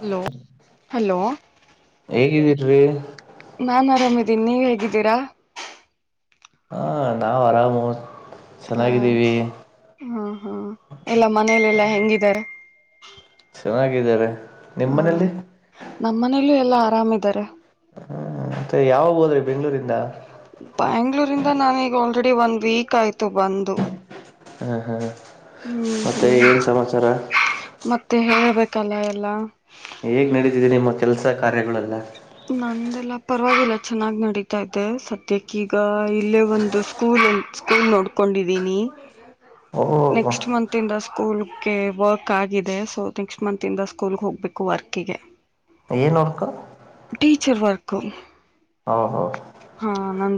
Hello hello [unintelligible] ನಾನ್ ಆರಾಮಿದೀನಿ ನೀವ್ ಹೇಗಿದ್ದೀರಾ ಹಾ ನಾವ ಆರಾಮವ ಹಾ ಹ್ಮ ಹ್ಮ್ ಎಲ್ಲ ಮನೇಲೆೆಲ್ಲಾ ಹೆಂಗಿದ್ದಾರೆ ಚೆನ್ನಾಗಿದ್ದಾರೆ ನಿಮ್ಮ ಮನೇೆಯಲ್ಲಿ ಲ್ಲೊ ಎಲ್ಲಾ ಆರಾಮ್ ಇದಾರೆ ಹ್ಮ ಮತ್ತೆ ಯಾವಾಗ ಹೋದ್ರಿ ಬೆಂಗ್ಳೂರಿಂದ ಬ್ಯಾಂಗ್ಳೂರಿಂದ ನಾನೀಗ ಆಲ್ರೆಡಿ ಒಂದ ವೀಕ್ ಆಯ್ತು ಬಂದು ಹಾ ಹಾ ಹ್ಮ್ ಮತ್ತೆ ಹ್ಮ್ ಏನ್ ಸಮಾಚಾರ ಮತ್ತೆ ಹೇಳಬೇಕು ಕಲಾ ಎಲ್ಲ ಹೇಗ್ ನಡೀತಿದೆ ನಿಮ್ಮ ಕೆಲ್ಸ ಕಾರ್ಯಗಳೆಲ್ಲ ನಂದೆಲ್ಲ ಪರವಾಗಿಲ್ಲ ಚೆನ್ನಾಗಿ ನಡೀತೈತೆ ಸದ್ಯಕ್ಕಿಗ ಇಲ್ಲೇ ಒಂದು ಸ್ಕೂಲ್ ಸ್ಕೂಲ್ ನೋಡ್ಕೊಂಡಿದೀನಿ ಓಹೋ ನೆಕ್ಸ್ಟ್ ಮಂತ್ ಇಂದ ಸ್ಕೂಲ್ಗೆ ವರ್ಕ್ ಆಗಿದೆ ಸೊ ನೆಕ್ಸ್ಟ್ ಮಂತ್ ಇಂದ ಸ್ಕೂಲ್ ಹೋಗ್ಬೇಕು ವರ್ಕ್ಗಿ ಏನ್ ವರ್ಕ್ ಟೀಚರ್ ವರ್ಕು ಹ ಹ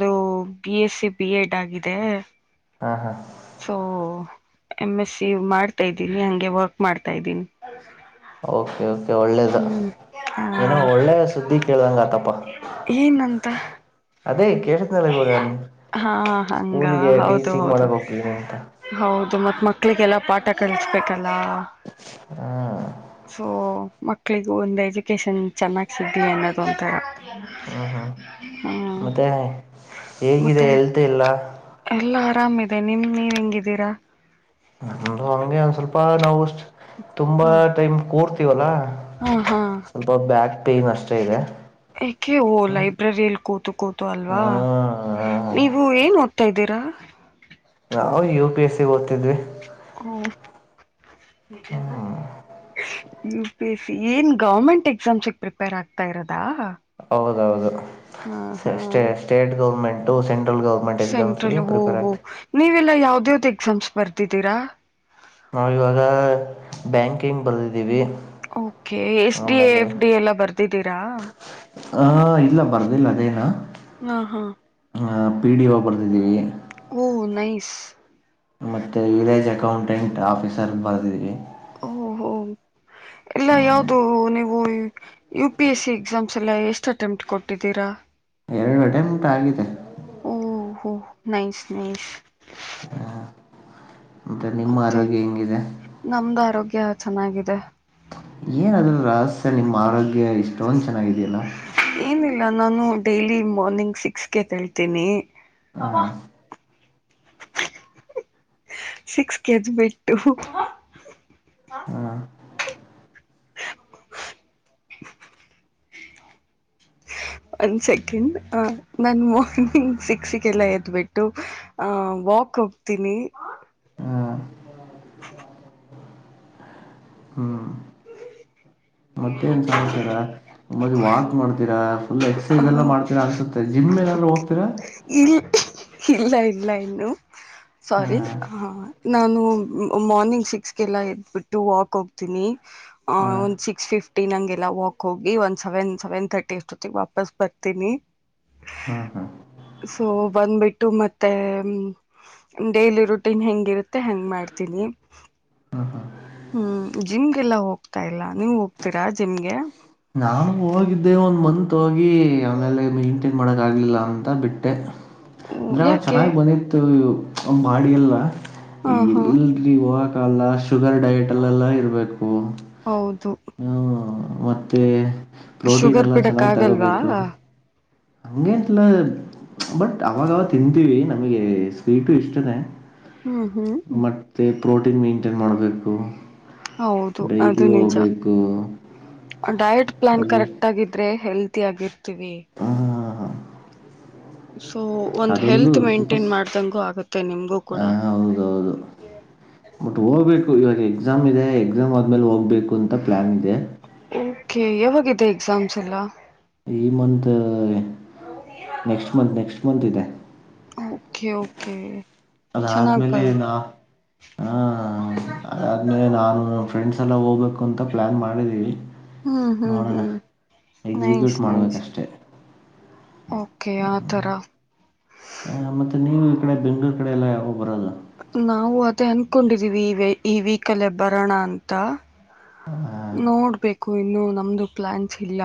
ಅದು ಬಿ ಎಸ್ಸಿ ಬಿ ಎಡ್ ಆಗಿದೆ ಹಾ ಹಾ ಸೊ ಎಂ ಎಸ್ಸಿ ಮಾಡ್ತಾ ಇದ್ದೀನಿ ಹಂಗೆ ವರ್ಕ್ ಮಾಡ್ತಾ ಇದ್ದೀನಿ ಓಕೆ ಓಕೆ ಒಳ್ಳೇದ ಹ್ಮ್ ಹಾ ಏನೋ ಒಳ್ಳೆ ಸುದ್ದಿ ಕೇಳ್ದಂಗತಪ್ಪ ಏನಂತ ಹಾ ಹಂಗಾ ಸ್ಕೂಲಿಗೆ ಹೌದು ಟೀಚಿಂಗ್ ಹೌದು ಮಾಡಕ್ ಹೋಗ್ತಿದ್ದೀನಿ ಅಂತ ಹೌದು ಮತ್ತೆ ಮಕ್ಕಳಿಗೆಲ್ಲ ಪಾಠ ಕಲಿಸ್ಬೇಕಲ್ಲ ಸೊ ಮ ಮಕ್ಕಳಿಗೂ ಒಂದು ಎಜುಕೇಷನ್ ಚೆನ್ನಾಗಿ ಸಿಗಲಿ ಅನ್ನೋದು ಒಂಥ ಹ್ಮ ಹ್ಮ ಮತ್ತೆ ಹೇಗಿದೆ ಮತ್ತೆ ಹೆಲ್ತ್ ಎಲ್ಲ ಎಲ್ಲಾ ಆರಾಮ ಇದೆ ನಿಮ್ ನಿವ್ ಹೆಂಗಿದ್ದೀರಾ ನಮ್ದು ಹಂಗೆ ಒಂದ್ ಸ್ವಲ್ಪ ನಾವಿಷ್ಟ ತುಂಬಾ ಹ ಟೈಮ್ ಕೂರ್ತೀವಲ್ಲಾ ಹಾ ಹಾ ಸ್ವಲ್ಪ ಬ್ಯಾಕ್ ಪೇನ್ ಅಷ್ಟ ಏಕೆ ಹೊ ಲೈಬ್ರರಿಯಲ್ ಕೂತು ಕೂತು ಅಲ್ವಾ ನೀವು ಏನ್ ಓದ್ತಾ ಇದ್ದೀರಾ ನಾವು ಯು ಪಿ ಎಸ್ ಸಿ ಓದ್ತಿದ್ವಿ ಹ್ಮ ಯು ಪಿ ಎಸ್ ಸಿ ಏನ್ ಗೌರ್ಮೆಂಟ್ ಎಕ್ಸಾಮ್ಸ್ಗೆ ಪ್ರಿಪೇರ್ ಆಗ್ತಾ ಇರದಾ ಹೌದೌದು ಸೆ ಸ್ಟೆ ಸ್ಟೇಟ್ ಗೌರ್ಮೆಂಟು ಸೆಂ ಸೆಂಟ್ರಲ್ ಹೋಹೋ ನೀವೆಲ್ಲ ಯಾವ್ದ ಯಾವ್ದು ಎಕ್ಸಾಮ್ಸ್ ಬರ್ದಿದ್ದೀರಾ ನಾವು ಇವಾಗ ಬ್ಯಾಂಕಿಂಗ್ ಬರ್ದಿದ್ದೀವಿ okay S D F D ಎಲ್ಲ ಬರ್ದಿದ್ದೀರಾ ಹ ಇಲ್ಲ ಬರ್ದಿಲ್ಲ ಅದೇನ ಹಾ ಹಾ ಹ ಪಿ ಡಿ ಒ ಬರ್ದಿದ್ದೀವಿ ಓ ನೈಸ್ ಮತ್ತೆ ವಿಲೇಜ್ ಅಕೌಂಟೆಂಟ್ ಆಫೀಸರ್ ಬರೆದಿದ್ದಿವಿ ಓಹೋ ಎಲ್ಲ ಯಾವ್ದು ನೀವು U P S C exams ಎಲ್ಲಾ ಎಷ್ಟ್ ಅಟೆಂಪ್ಟ್ ಕೊಟ್ಟಿದ್ದೀರಾ ಎರಡು ಅಟೆಮ್ಟು ಆಗಿದೆ ಓ ಹೋ ನೈಸ್ ನೈಸ್ ಮತ್ತೆ ನಿಮ್ಮ ಆರೋಗ್ಯ ಹೆಂಗಿದೆ ಗ್ಯಾ ಚೆನ್ನಾಗಿದೆ ಏನ್ ಅದು ರಹಸ್ಯ ನಿಮ್ಮ ಆರೋಗ್ಯ ಇಷ್ಟೊಂದು ಚೆನ್ನಾಗಿದಿಯಲ್ಲ ಏನಿಲ್ಲ ನಾನು ಡೈಲಿ ಮಾರ್ನಿಂಗ್ ಸಿಕ್ಸ್ಗೆ ಎದೆಳ್ತೀನಿ ಅಬ್ಬಾ ಹಾಂ ಸಿಕ್ಸ್ ಕೆಜ್ ಬಿಟ್ಟು ಹಾ ಹಾಂ ಅನಿಂಟೆಲಿಜಬಲ್ [inaudible] ಹ್ಮ [inaudible] ಒಂದ್ ಸೆಕೆಂಡ್ ಅ ನನ್ ಮಾರ್ನಿಂಗ್ ಸಿಕ್ಸ್ಗೆಲ್ಲ ಎದ್ಬಿಟ್ಟು ಆ ವಾಕ್ ವಾಕ್ ಹೋಗ್ತೀನಿ ಹಾಂ ಹ್ಮ್ ಮತ್ತೇನ್ ಸಮಚಾರ ಮದ್ ವಾಕ್ ಮಾಡ್ತೀರಾ ಫುಲ್ ಎಕ್ಸೈಸ್ ಎಲ್ಲ ಮಾಡ್ತಿರಾ ಅನ್ಸುತ್ತೆ ಜಿಮ್ ಏನಾದ್ರು ಹೋಗ್ತಿರಾ ಇ ಇಲ್ಲ ಇಲ್ಲ ಇನ್ನು ಸಾರಿ ಹಾಂ ನಾನು ಮ ಮಾರ್ನಿಂಗ್ ಸಿಕ್ಸ್ಗೆಲ್ಲ ಎದ್ಬಿಟ್ಟು ವಾಕ್ ಹೋಗ್ತೀನಿ ಅ ಹಾಂ ಒಂದು ಸಿಕ್ಸ್ ಫಿಫ್ಟ ಫ್ಟಿ ನಂಗೆಲ್ಲಾ ವಾಕ್ ಹೋಗಿ ಒಂದ್ ಸೆವೆನ್ ಸೆವೆನ್ ತರ್ಟಿ ಅಷ್ಟೊತ್ತಿಗೆ ವಾಪಸ್ ಬರ್ತೀನಿ ಹಾ ಹಾ ಸೊ ಬಂದ್ಬಿಟ್ಟು ಮತ್ತೆ ಡೈಲಿ ರುಟೀನ್ ಹೆಂಗಿರುತ್ತೆ ಹಂಗ್ ಮಾಡ್ತೀನಿ ಹ್ಮ್ ಜಿಮ್ಗೆಲ್ಲ ಹೋಗ್ತಾ ಇಲ್ಲಾ ನೀವ್ ಹೋಗ್ತೀರಾ ಜಿಮ್ಗೆ ನಾನು ಹೋಗಿದ್ದೆ ಒಂದ್ ಮಂತ್ ಹೋಗಿ ಆಮೇಲೆ ಮೇಂಟೈನ್ ಮಾಡಕ್ ಆಗ್ಲಿಲ್ಲ ಅಂತ ಬಿಟ್ಟೆ ಅಂದ್ರೆ ಯಾಕೆ ಚೆನ್ನಾಗ್ ಬಂದಿತ್ತು ಬಾಡಿ ಎಲ್ಲ ಹ ಹಾ ಎಲ್ರಿ ಹೋಗಾಕಾಗಲ್ಲ ಶುಗರ್ ಡಯಟ್ ಅಲ್ಲೆಲ್ಲ ಇರಬೇಕು ಹೌದು ಹ ಮತ್ತೆ ಪ್ರೋಟೀನ್ ಶುಗರ್ ಎಲ್ಲ ಬಿಡಕ್ ಚೆನ್ನಾಗ್ ಆಗಲ್ವಾ ತಗೋಬೇಕು ಹಂಗೆಂತಲ್ಲ ಬಟ್ ಅವಾಗವ ತಿಂತೀವಿ ನಮಗೆ ಸ್ವೀಟು ಇಸ್ಟ ಇದೆ ಹ್ಮ್ ಹ್ಮ್ ಪ್ರೋಟೀನ್ ಮೈಂಟೇನ್ ಮಾಡಬೇಕು ಹೌದು ಡೈಲಿ ಅದು ನಿಜ ಹೋಗ್ಬೇಕು ಡಯಟ್ ಪ್ಲಾನ್ ಅದೇ ಕರೆಕ್ಟ್ ಆಗಿದ್ರೆ ಹೆಲ್ತಿ ಆಗಿರ್ತೀವಿ ಹ ಸೊ ಒಂದ್ ಅದೊಂದು ಹೆಲ್ತ್ ಸ್ವಲ್ಪ ಮೇಂಟೈನ್ ಮಾಡ್ದಂಗೂ ಆಗತ್ತೆ ನಿಮಗೂ ಕೂಡ ಹ ಹೌದೌದು ಬಟ್ ಹೋಗ್ಬೇಕು ಇವಾಗ ಎಕ್ಸಾಮ್ ಇದೆ ಎಕ್ಸಾಮ್ ಆದ್ಮೇಲೆ ಹೋಗ್ಬೇಕು ಅಂತ ಪ್ಲಾನ್ ಇದೆ ಸಮಸಲ [unintelligible] ಈ month next month next month ಇದೆ ಓಕೆ ಓಕೆ ಚೆನ್ನಾಗ್ ಬ ಅದಾದ್ಮೇಲೆ ನಾ ಹ ಅದಾದ್ಮೇಲೆ ನಾನು ಫ್ರೆಂಡ್ಸ್ ಸಲ ಹೋಗ್ಬೇಕು ಅಂತ ಪ್ಲಾನ್ ಮಾಡಿದೀವಿ ಹ್ಮ್ ಹ್ಮ್ ನೋಡೋಣ ಹ್ಮ್ ಎಕ್ಸಿಕ್ಯೂಟ್ ನೈಸ್ ನೈಸ್ ಮಾಡ್ಬೇಕಷ್ಟೆ ಓಕೆ ಆತರ ಮತ್ತು ನೀವು ಈ ಕಡೆ ಬೆಂಗಳೂರು ಕಡೆ ಎಲ್ಲ ಯಾವಗ್ ಬರೋದು. ನಾವು ಅದೇ ಅನ್ಕೊಂಡಿದೀವಿ ಈ ವೀಕ್ ಅಲ್ಲಿ ಬರೋಣ ಅಂತ. ನೋಡ್ಬೇಕು ಇನ್ನು ನಮ್ದು ಪ್ಲಾನ್ಸ್ ಇಲ್ಲ.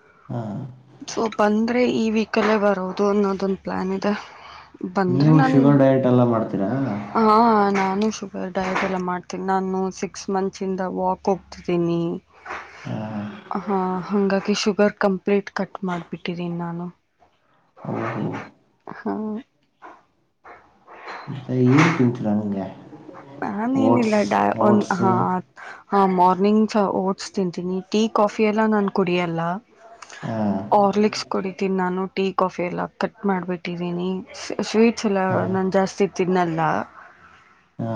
ಹ್ಮು ಸೊ ಬಂದ್ರೆ ಈ ವೀಕ್ ಅಲ್ಲೆ ಬರೋದು ಅನ್ನೋದೊಂದು ಪ್ಲಾನ್ ಇದೆ. ಬಂದ್ರಿ ನೀವು ನಾನ್ ಶುಗರ್ ಡಯಟ್ ಎಲ್ಲ ಮಾಡ್ತೀರಾ ಹ ನಾನು. ಶುಗರ್ ಡಯಟ್ ಎಲ್ಲ ಮಾಡ್ತೀನಿ ನಾನು ಸಿಕ್ಸ್ ಮಂತ್ಸಿಂದ ವಾಕ್ ಹೋಗ್ತಿದ್ದೀನಿ. ಹಾ ಹಂಗಾಗಿ ಶುಗರ್ ಕಂಪ್ಲೀಟ್ ಕಟ್ ಮಾಡ್ಬಿಟ್ಟಿದ್ದೀನ್ ನಾನು. [unintelligible] ಹ ಮತ್ತೆ ಏನ್ ತಿಂತೀರಾ ಅಂಗೆ ನನ್ ಇಲ್ಲಾ ಡ ಒನ್ ಓಟ್ಸು ಹಾ ಹಾ ಮಾರ್ನಿಂಗ್ ಓಟ್ಸ್ ತಿಂತೀನಿ ಟೀ ಕಾಫಿ ಎಲ್ಲ ನಾನು ಕುಡಿಯಲ್ಲ. ಹಾಂ ಆರ್ಲಿಕ್ಸ್ ಕುಡಿತೀನಿ ನಾನು ಟೀ ಕಾಫಿ ಎಲ್ಲ ಕಟ್ ಮಾಡ್ಬಿಟ್ಟಿದ್ದೀನಿ ಸ್ವೀಟ್ಸ್ ಎಲ್ಲ ನಾನು ಜಾಸ್ತಿ ತಿನ್ನಲ್ಲ. ಹಾ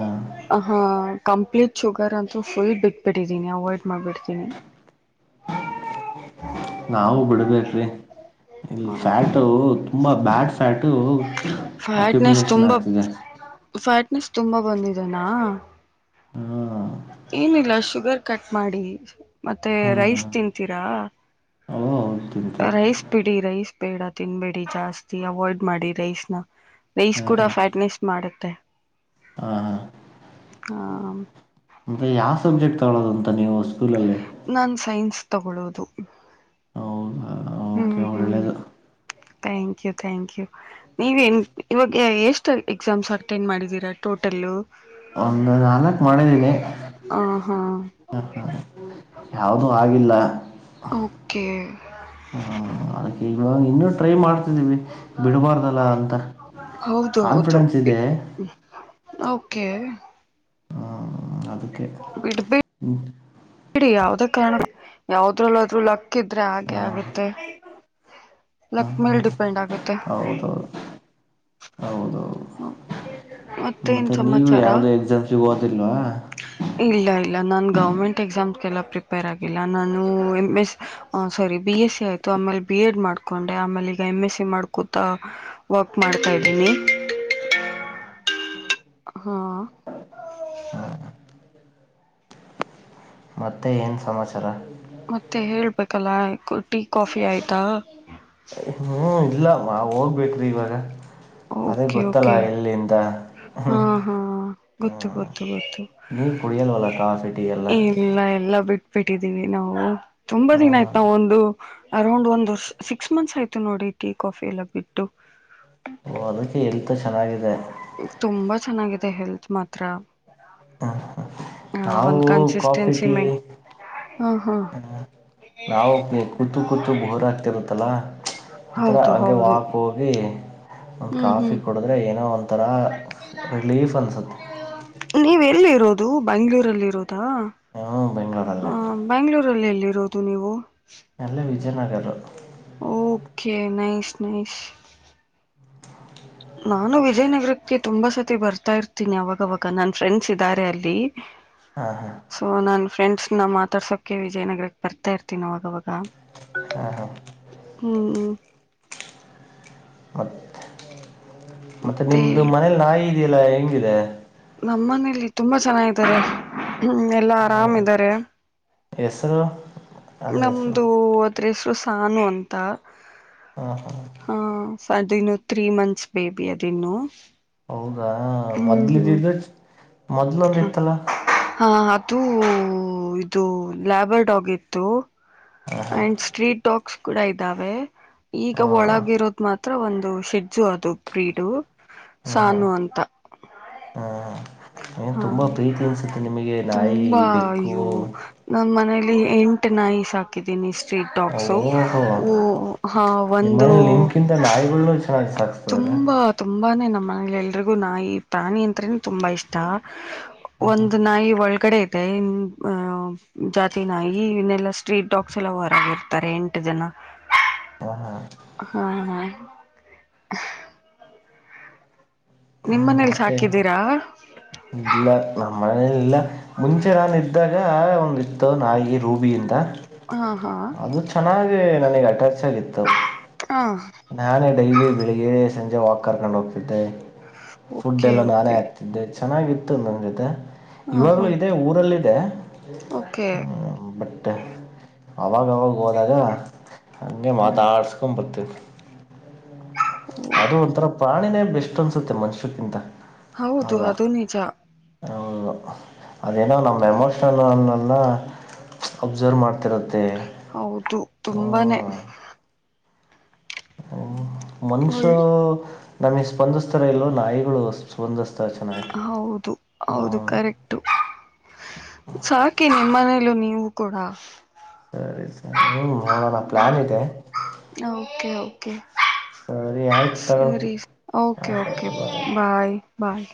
ಹಾ ಕಂಪ್ಲೀಟ್ ಶುಗರ್ ಅಂತೂ ಫುಲ್ ಬಿಟ್ಬಿಟ್ಟಿದ್ದೀನಿ ಅವಾಯ್ಡ್ ಮಾಡ್ಬಿಡ್ತೀನಿ. [unintelligible] ನಾವು ಬಿಡ್ಬೇಕ್ರಿ ಇಲ್ ಹಾಂ ಹಾಂ ಫ್ಯಾಟು ತುಂಬಾ ಬ್ಯಾಡ್ ಫ್ಯಾಟ್ - ಫ್ಯಾಟ್ನೆಸ್ ತುಂಬಾ ಆಗ್ತಿದೆ ಫ್ಯಾಟ್ನೆಸ್ ತುಂಬಾ ಬಂದಿದೆನಾ ಹು ಏನಿಲ್ಲ ಶುಗರ್ ಕಟ್ ಮಾಡಿ ಮತ್ತೆ ಹಾ ರೈಸ್ ತಿನ್ಂತೀರಾ. ಹು ತಿಂತಿ - ಬಿಡಿ ರೈಸ್ ಬೇಡ ತಿನ್ಬೇಡಿ ಜಾಸ್ತಿ ಅವಾಯ್ಡ್ ಮಾಡಿ ರೈಸ್ ನ. ರೈಸ್ ಕೂಡ ಫ್ಯಾಟ್ನೆಸ್ ಮಾಡುತ್ತೆ. ಹಾ ಹಾ ಮಂದೆ ಯಾವ್ ಸಬ್ಜೆಕ್ಟ್ ತಗಳೋದು ಅಂತ ನೀವು. ಸ್ಕೂಲಲ್ಲಿ ನಾನು ಸೈನ್ಸ್ ತಗೊಳ್ಳೋದು. ಹೌದಾ ಓಕೆ ಹ್ಮ್ ಹ್ಮ್ ಒಳ್ಳೆಯದು ಥ್ಯಾಂಕ್ ಯು ಥ್ಯಾಂಕ್ ಯು ನೀವ ನ್ ಇವಾಗ ಎಷ್ಟು ಎಕ್ಸಾಮ್ಸ್ ಅಟೆಂಡ್ ಮಾಡಿದೀರಾ. ತೊಟಲ್ಲು ಒಂದು ನಾಲ್ಕ್ ಮಾಡಿದ್ದೀನಿ ಹ ಹಾ ಹ ಯಾವ್ದೂ ಆಗಿಲ್ಲ ಓಕೆ ನಾ ಇನ್ನೂ ಟ್ರೈ ಮಾಡ್ ಬಿಡಬಾರ್ದಲ್ಲ ಅಂತ ಹೌದು ಹೌದು ಕಾನ್ಫಿಡೆನ್ಸ್ ಇದೆ. ಬಿಟ್ಬಿಟ್ಟು ಓಕೆ ಹ್ಮ ಅದಕ್ಕೆ ಬಿಡ್ಬೇಡಿ ಹ್ಮ ಯಾವದೇ ಕಾರಣ ಯಾವದ್ರಲ್ಲಾದ್ರು ಲಕ್ ಇದ್ರೆ ಹಾಗೆ ಆಗುತ್ತೆ. ಹ ಲಕ್ ಹಾ ಮೇಲ್ ಡಿಪೆಂಡ್ ಆಗುತ್ತೆ ಹೌದು ಹೌದು. ಮತ್ತೇನ್ ಮತ್ತೆ ನೀವು ಸಮಾಚಾರ ಯಾವ್ದೋ ಎಕ್ಸಾಮ್ಸ ಗ್ ಓದಿಲ್ವಾ. ಇಲ್ಲ ಇಲ್ಲ ನಾನು ಗೌರ್ಮೆಂಟ್ ಎಕ್ಸಾಮ್ಸ್ಗೆಲ್ಲ ಪ್ರಿಪೇರ್ ಆಗಿಲ್ಲ ನಾನು M S sorry B S C ಆಯಿತು ಆಮೇಲೆ ಬಿ ಎಡ್ ಮಾಡ್ ಮಾಡಕೊಂಡೆ ಆಮೇಲೆ ಈಗ ಎಮ್ ಎಸ್ ಸಿ ಮಾಡ್ಕೂತಾ ವರ್ಕ್ ಮಾಡ್ತಾ ಇದ್ದೀನಿ. ಹ್ಮ ಹಾ ಮತ್ತೆ ಏನ್ ಸಮಾಚಾರ. ಮತ್ತೆ ಹೇಳ್ಬೇಕಲ್ಲ ಟೀ ಕಾಫಿ ಆಯ್ತಾ. ಹ್ಮ ಇಲ್ಲ ಮಾ ಹೋಗ್ಬೇಕ್ರಿ ಇವಾಗ. ಅದೇ ಓಕೆ ಗೊತ್ತಲ್ಲ ಓಕೆ ಎಲ್ಲಿಂದ ಹಾ [unintelligible] ಹಾ ಗೊತ್ತು ಗೊತ್ತು ಗೊತ್ತು ನೀ ಕೂಡಿಯಲ್ವಲ ಕಾಫಿ ಟೀ ಎಲ್ಲ ಬಿಟ್ಟಿದ್ದೀವಿ ನಾವು ತುಂಬಾ ಹಾ ದಿನ ಹಾ ಆಯ್ತ ನಾವು ಒಂದು ಅರೌಂಡ್ ಒಂದ್ ವರ್ಷ ಸಿಕ್ಸ್ ಮಂತ್ಸ್ ಆಯ್ತು ನೋಡಿ ಟೀ ಕಾಫಿ ಎಲ್ಲ ಬಿಟ್ಟು ಓ ಅದಕ್ಕೆ ಹೆಲ್ತ್ ಚೆನ್ನಾಗಿದೆ ತುಂಬಾ ಚೆನ್ನಾಗಿದೆ ಹೆಲ್ತ್ ಮಾತ್ರ ಹ [unintelligible] ನಾವು ಒಂದ್ ಕಾಫಿ ಕನ್ಸಿಸ್ಟೆನ್ಸಿ ಟೀ ಮೇ ಹಾ ಹಾ ಹ್ಮ್ ನಾವು ಕೂತು ಕೂತು ಬೋರ್ ಆಕ್ತೇವೆ [unintelligible] ಒಂಥರ ಹೌದು ಹಗೆ ಹೌದು ವಾಕ್ ಹೋಗಿ ಒಂದು ಕಾಫಿ ಕುಡಿದ್ರೆ ಏನೋ ಒಂದು [unintelligible] ನೀವ ಎಲ್ಲಿ ಇರೋದು ಬೆಂಗ್ಳೂರಲ್ಲಿ ಇರೋದಾ ಹ್ಞೂ ಬೆಂಗಳೂರಲ್ಲೇ ಹ ಬೆಂಗಗಳೂರಲ್ಲಿ ಎಲ್ಲಿರೋದು ನೀವು ಎಲ್ಲ ವಿಜಯನಗರ್ ಓಕೆ ನೈಸ್ ನೈಸ್ ನಾನು ವಿಜಯನಗರಕ್ಕೆ ತುಂಬಾ ಸತಿ ಬರ್ತಾ ಇರ್ತೀನಿ ಅವಾಗವಾಗ ನನ್ ಫ್ರೆಂಡ್ಸ್ ಇದ್ದಾರೆ ಅಲ್ಲಿ ಹಾಂ ಹಾಂ ಸೊ ನನ್ ಫ್ರೆಂಡ್ಸ್ ನಾವು ಮಾತಾಡ್ಸೋಕೆ ವಿಜಯನಗರಕ್ಕೆ ಬರ್ತಾ ಇರ್ತೀನಿವಾಗವಾಗ ಹಾ ಹಾ [unintelligible] ಮತ್ತೆ ನಿಮ್ದು ಮನೇಲಿ ನಾಯಿ ಇದೆಯಲ್ಲಾ ಹೆಂಗಿದೆ ನಮ್ಮ ಮನೇಲಿ ತುಂಬಾ ಚೆನ್ನ ಇದಾರೆ ಹ್ಮ್ ಎಲ್ಲಾ ಆರಾಮ್ ಇದಾರೆ ಹೆಸರು ಅದ್ರ ಹೆಸರು ನಮ್ದು ಅದ್ರ ಹೆಸರು ಸಾನು ಅಂತ ಹಾ ಸರ್ ಅದನ್ನು ತ್ರೀ ಮಂತ್ಸ್ ಬೇಬಿ ಅದಿನ್ನು ಹಾ ಹ್ಮ್ ಮೊದ್ಲ ಹ್ಮ್ ಇದಿದ್ದ ಹ [unintelligible] ಹಾ ಅದುೂ ಇದು ಲ್ಯಾಬರ್ ಡಾಗ್ ಇತ್ತು ಹಾ ಅಂಡ್ ಸ್ಟ್ರೀಟ್ ಸ್ಟ್ರೀಟ್ ಡಾಗ್ಸ್ ಕೂಡ ಇದಾವೆ ಹಾ ಈಗ ಒಳಗ ಇರೋದ್ ಮಾತ್ರ ಹತ್ರ ಒಂದು ಶೆಜಜು ಅದು ಬ್ರೀಡು ಹಾ ಹಾ ಸಾನು ಅಂತ [unintelligible] ನಾಳೆ ಹಾ ಏನ್ ಹಾ ತುಂಬಾ ಪ್ರೀತಿ ಅನ್ಸುತ್ತೆ ನಿಮಗೆ ನಾಯಿ ತುಂಬಾ ಬೆಕ್ಕು ಅಯ್ಯೋ ನಮ್ಮ ಮನಲಿ ಎಂಟು ನಾಯಿ ಸಾಾಕಿದ್ದೀನಿ ಇಷ್ಟ ಸ್ಟ್ರೀಟ್ ಟಾಕ್ಸು ಓಹೋ ಹ ಒಂದು ನಿಮ್ಮನೇಲಿ ನಿಮ್ಕಿಂತ [unintelligible] ನಾಯಿಗಳ್ನು ಚೆನ್ನಾಗಿ ತುಂ ಸಾಕ್ಸ್ತದ್ರ ತುಂಬಾ ತುಂಬಾನೇ ನಮ್ಮ ಮನಲಿ ಎಲ್ರಿಗೂ ನಾಯಿ ಪ್ರಾಣಿ ಅಂತನೆ ತುಂಬಾ ಇಷ್ಟ ಒಂದ ನಾಯಿ ಒಳಗಡೆ ಮತ್ತ ಹಾ ಜಾತಿನಾಗಿ ಇನ್ನೆಲ್ಲಾ ಸ್ಟ್ರೀಟ್ ಡಾಗ್ಸ್ ಎಲ್ಲ ಹೊರಾಗಿರ್ತಾರೆ ಎಂಟು ಜನ ಹಾ ಹಾ ಹಾ ಹಾ [unintelligible] ನಿಮ್ ಹ್ಮ್ ಮನೇಲಿ ಮತ್ತೆ ಸಾಕಿದ್ದೀರಾ ಇಲ್ಲ ನಮ್ಮ ಮನೆಯಲ್ಲಿಲ್ಲ ಮುಂಚೆ ನಾನು ಇದ್ದಾಗ ಒಂದುಿತ್ತು ನಾಯಿ ರೂಬಿಯಿಂದ ಹಾ ಹಾ ನನಗೆ ಅಟ್ಯಾಚ್ ಆಗಿತ್ತು ಹಾ ನಾನೇ ಡೈಲಿ ಬೆಳಿಗ್ಗೆ ಸಂಜೆ ವಾಕ್ ಕರ್ಕೋಡು ಹೋಗತಿದ್ದ ಫುಡ್ ಓಕೆ ಎಲ್ಲ ನಾನೇ ಓಕೆ ಆಗ್ತಿದ್ದೆ ಚೆನ್ನಾಗಿತ್ತು ನನ್ನ ಜೊತೆ ಹಾ ಹಾ ಇವಾಗಲೂ ಇದೇ ಊರಲ್ಲಿದೆ ಓಕೆ ಹ ಬಟ್ ಅವಾಗವಾಗ ಹೋದಾಗ ಅಂಗೆ ಮಾತಾ ಹ್ಮ್ ಆಡ್ಸಕೋಂಡ ಬತ ಅದು ಒಂಥರ ಪ್ರಾಣಿನೇ ಬೆಸ್ಟ್ ಅನ್ಸುತ್ತೆ ಮನುಷ್ಯಕ್ಕಿಂತ ಹೌದು ಅಲ್ವಾ ಅದು ನಿಜಾ ಹೌದು ಅದೇನ ನಮ್ಮ ಎಮೋಷಲ್ನ್ ಅಬ್ಸರ್ವ್ ಮಾಡ್ ಹೌದು [unintelligible] ತುಂಬಾನೇ ಹ್ಮ ಹ್ಮ ಮನುಷ್ಯ ಒಳ್ ನಮಗೆ ಸ್ಪಂದ್ತಾರ ಇಲ್ ನಾಯಿಗಳು ಸ್ಪಂದಸ್ತ ಹೌದು ಹೌದು ಕರೆಕ್ಟು ಸಾಕಿ ನಿಮ್ಮ ಮನೇಲ್ಲ ನೀವು ಕೂಡ ಸರಿ ಸರ್ ಹ್ಮ್ ನೋಡೋಣ ಪ್ಲಾನ್ ಇದೆ ಓಕೆ ಓಕೆ ಹಾ ಸರಿ ಆಯ್ತು ತಗ ಸರಿ ಆ ಓಕೆ ಸರಿ ಓಕೆ ಬ ಸರಿ ಬಾಯ್ ಬಾಯ್